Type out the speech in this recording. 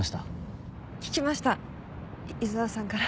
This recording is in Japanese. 聞きました井沢さんから。